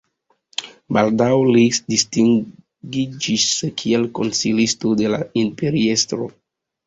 Baldaŭ li distingiĝis kiel konsilisto de la imperiestro.